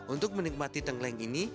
untuk menikmati tengkleng ini